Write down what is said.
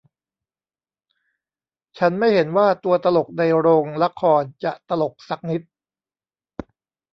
ฉันไม่เห็นว่าตัวตลกในโรงละครจะตลกสักนิด